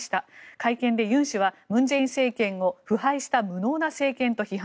会見でユン氏は文在寅政権を腐敗した無能な政権と批判。